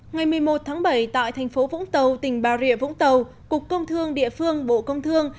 ngày một mươi một tháng bảy tại thành phố vũng tàu tỉnh bà rịa vũng tàu cục công thương địa phương bộ công thương